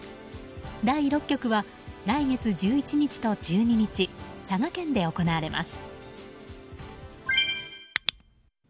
第６局は来月１１日と１２日佐賀県で行われます。